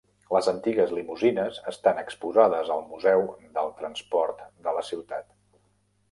Les antigues limusines estan exposades al Museu del Transport de la ciutat.